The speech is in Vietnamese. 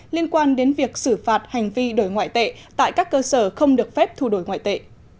liên quan đến việc xử phạt hành vi đổi ngoại tệ tại các cơ sở không được phép thu đổi ngoại tệ